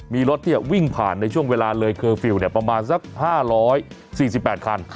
มีรถที่วิ่งผ่านในช่วงเวลาเลยเคอร์ฟิลล์ประมาณสัก๕๔๘คัน